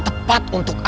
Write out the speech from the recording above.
sudah k conduk